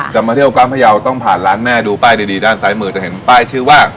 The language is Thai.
มาเที่ยวกลางพยาวต้องผ่านร้านแม่ดูป้ายดีด้านซ้ายมือจะเห็นป้ายชื่อว่า